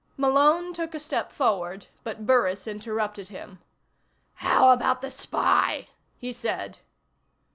Malone took a step forward, but Burris interrupted him. "How about the spy?" he said.